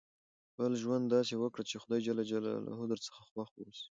خپل ژوند داسي وکړئ، چي خدای جل جلاله درڅخه خوښ اوسي.